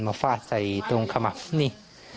ฟาดใส่ตรงขมับนี่